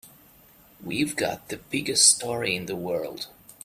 We've got the biggest story in the world.